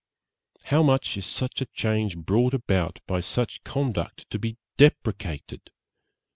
How much is such a change brought about by such conduct to be deprecated!